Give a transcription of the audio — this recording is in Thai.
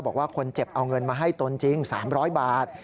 บอกว่าคนเจ็บเอาเงินมาให้ตนจริง๓๐๐บาท